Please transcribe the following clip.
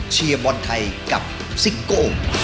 เชียร์บอลไทยกับซิงโก